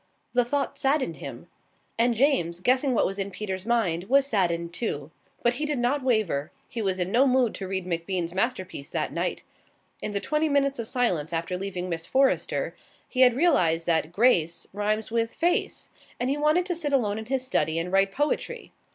The thought saddened him. And James, guessing what was in Peter's mind, was saddened too. But he did not waver. He was in no mood to read MacBean's masterpiece that night. In the twenty minutes of silence after leaving Miss Forrester he had realized that "Grace" rhymes with "face", and he wanted to sit alone in his study and write poetry.